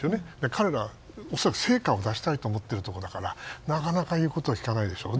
彼らは恐らく成果を出したいと思っているところだからなかなか言うことを聞かないでしょう。